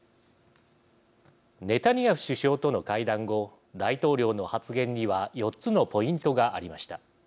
ネタニヤフ首相との会談後大統領の発言には４つのポイントがありました。